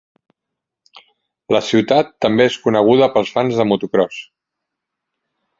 La ciutat també és coneguda pels fans de motocròs.